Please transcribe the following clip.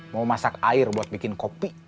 mau masak air buat bikin kopi